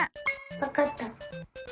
わかった！